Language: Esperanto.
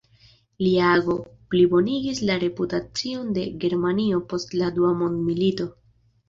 Lia ago plibonigis la reputacion de Germanio post la dua mondmilito.